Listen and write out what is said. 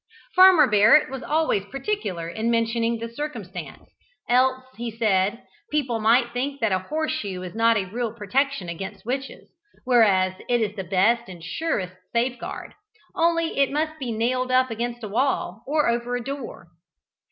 Farmer Barrett was always particular in mentioning this circumstance, else, he said, people might think that a horseshoe is not a real protection against witches, whereas it is the best and surest safeguard, only it must be nailed up against a wall or over a door.